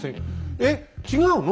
えっ違うの？